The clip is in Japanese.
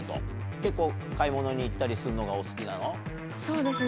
結構、買い物に行ったりするのがそうですね。